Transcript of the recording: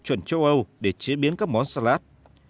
chuẩn châu âu để chế biến các món salad